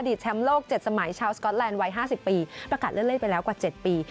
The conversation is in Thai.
แชมป์โลก๗สมัยชาวสก๊อตแลนด์วัย๕๐ปีประกาศเลื่อนเลขไปแล้วกว่า๗ปี